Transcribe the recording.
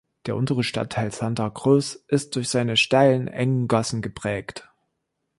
Der untere Stadtteil "Santa Croce" ist durch seine steilen, engen Gassen geprägt.